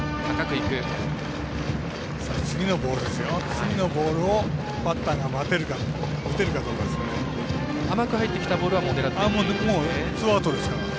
次のボールをバッターが待てるか打てるかどうか。